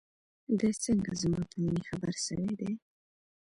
دى څنگه زما په مينې خبر سوى دى.